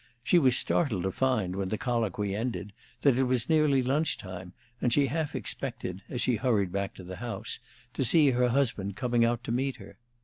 She was startled to find, when the colloquy ended, that it was nearly luncheon time, and she half expected, as she hurried back to the house, to see her husband coming out to meet her.